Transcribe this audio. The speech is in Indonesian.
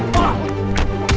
jangan ada held up